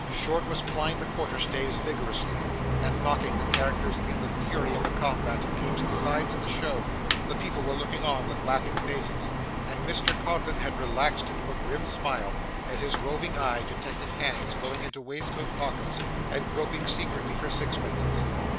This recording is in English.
Short was plying the quarter staves vigorously and knocking the characters in the fury of the combat against the sides of the show, the people were looking on with laughing faces, and Mr Codlin had relaxed into a grim smile as his roving eye detected hands going into waistcoat pockets and groping secretly for sixpences.